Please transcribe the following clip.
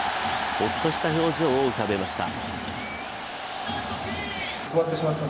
ホッとした表情を浮かべました。